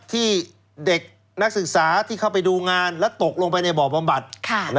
ที่เด็กนักศึกษาที่เข้าไปดูงานและตกลงไปในบ่อบำบัด